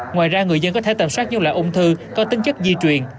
ngoài ra người dân có thể tầm soát những loại ung thư có tính chất di truyền